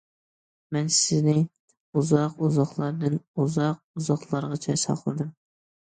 مەن سېنى ئۇزاق- ئۇزاقلاردىن ئۇزاق- ئۇزاقلارغىچە ساقلىدىم.